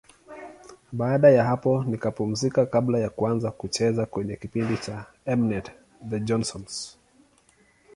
Baada ya hapo nikapumzika kabla ya kuanza kucheza kwenye kipindi cha M-net, The Johnsons.